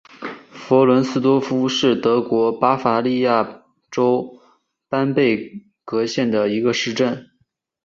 弗伦斯多夫是德国巴伐利亚州班贝格县的一个市镇。